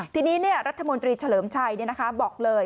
ทีนี้เนี่ยรัฐมนตรีเฉลิมชัยเนี่ยนะคะบอกเลย